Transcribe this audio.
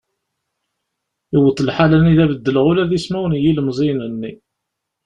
Iwweḍ lḥal anida beddleɣ ula d ismawen n yilmeẓyen-nni.